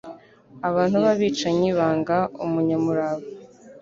Abantu b’abicanyi banga umunyamurava